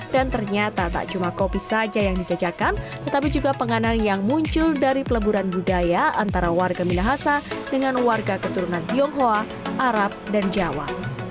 dan ternyata tak cuma kopi saja yang dijajakan tetapi juga penganan yang muncul dari peleburan budaya antara warga minahasa dengan warga keturunan tionghoa arab dan jawa